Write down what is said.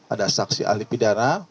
ada saksi ahli pidana